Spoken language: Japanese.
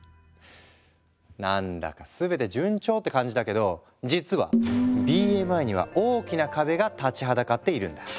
何だか全て順調って感じだけど実はＢＭＩには大きな壁が立ちはだかっているんだ。